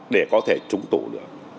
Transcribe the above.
để có thể trúng tủ được